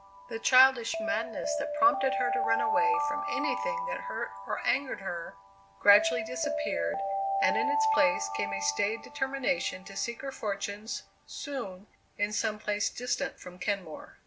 The childish madness that prompted her to run away from anything that hurt or angered her, gradually disappeared, and in its place came a staid determination to seek her fortunes, soon, in some place distant from Kenmore.